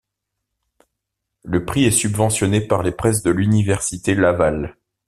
Le prix est subventionné par Les Presses de l'Université Laval.